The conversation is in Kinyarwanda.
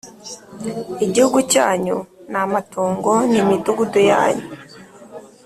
Igihugu cyanyu ni amatongo, ni imidugudu yanyu